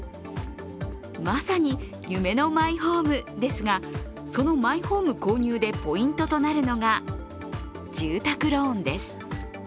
まさに夢のマイホームですがそのマイホーム購入でポイントとなるのが住宅ローンです。